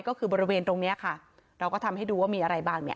ก็คือบริเวณตรงเนี้ยค่ะเราก็ทำให้ดูว่ามีอะไรบ้างเนี่ย